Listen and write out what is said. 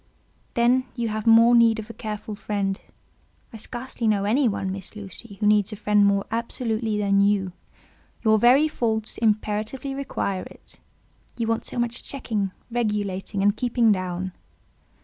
"Then you have more need of a careful friend. I scarcely know any one, Miss Lucy, who needs a friend more absolutely than you; your very faults imperatively require it. You want so much checking, regulating, and keeping down."